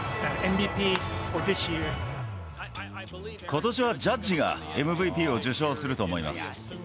ことしはジャッジがＭＶＰを受賞すると思います。